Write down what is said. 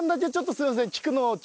すいません。